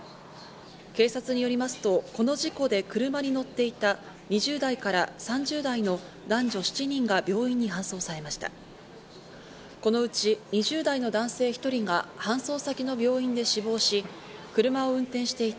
警察によりますと、この事故で車に乗っていた２０代から３０代の男女７人が病院に搬送されました。